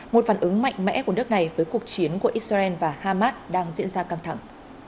một phản ứng mạnh mẽ của nước này với cuộc chiến của israel và hamas đang diễn ra căng thẳng